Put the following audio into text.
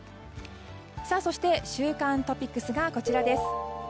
そして、週間トピックスがこちらです。